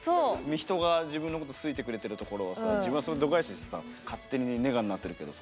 人が自分のこと好いてるところをさ自分はそれを度外視してさ勝手にネガになってるけどさ。